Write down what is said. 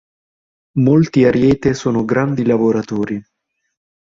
Molti Ariete sono grandi lavoratori.